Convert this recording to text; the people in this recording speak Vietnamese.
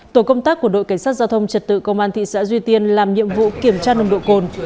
tổ công tác của đội cảnh sát giao thông trật tự công an thị xã duy tiên làm nhiệm vụ kiểm tra nồng độ cồn